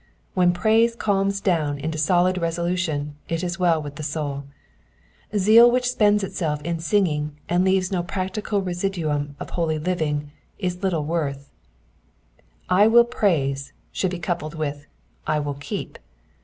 When praise calms down into solid resolution it is well with the souL Zeal which spends itself in singing, and leaves no practical residuum of holy living, is little worth ;" I will praise" should be coupled with '* I will keep."